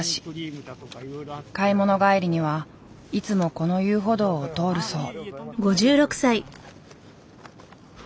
買い物帰りにはいつもこの遊歩道を通るそう。